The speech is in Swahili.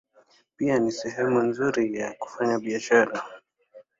Pia ni sehemu nzuri kwa kufanya biashara.